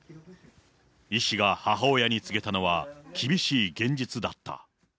医師が母親に告げたのは厳しい現実だった。